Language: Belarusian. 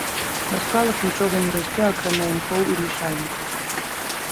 На скалах нічога не расце акрамя імхоў і лішайнікаў.